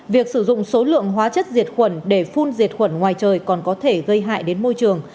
việc sử dụng số lượng hóa chất diệt khuẩn để phun diệt khuẩn ngoài trời còn có thể gây hại đến môi trường